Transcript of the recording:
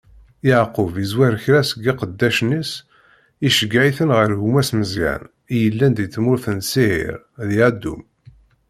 Yeɛqub izzwer kra seg iqeddacen-is, iceggeɛ-iten ɣer gma-s Meẓyan, i yellan di tmurt n Siɛir, di Adum.